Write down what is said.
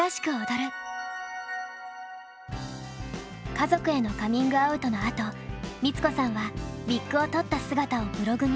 家族へのカミングアウトのあと光子さんはウィッグを取った姿をブログに掲載。